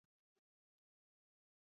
دا اثار ګاونډیو هېوادونو کې لیلام شول.